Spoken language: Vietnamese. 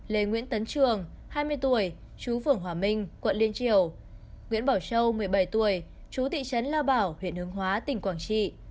lê nguyễn tấn trường hai mươi tuổi chú phường hòa minh quận liên triều nguyễn bảo châu một mươi bảy tuổi chú thị trấn lao bảo huyện hướng hóa tỉnh quảng trị